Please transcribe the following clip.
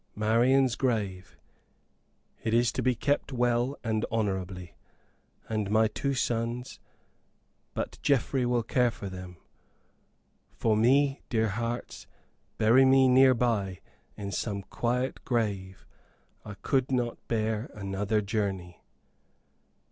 Marian's grave it is to be kept well and honorably. And my two sons but Geoffrey will care for them. For me, dear hearts, bury me near by, in some quiet grave. I could not bear another journey."